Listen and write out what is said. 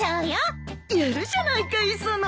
やるじゃないか磯野。